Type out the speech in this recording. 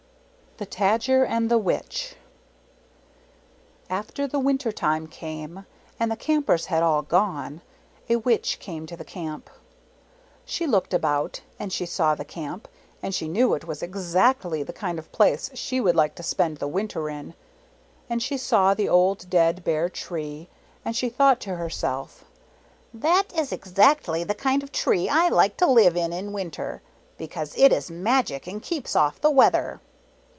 THE TAJAR AND THE WITCH THE TADGER AND THE WITCH After the winter time came, and the Campers had all gone, a Witch came to the Camp. She looked about and she saw the Camp, and she knew it was exactly the kind of place she would like to spend the winter in. And she saw the old dead, bare tree; and she thought to herself, "That is exactly the kind of tree I like to live in in winter, because it is magic and keeps off the weather."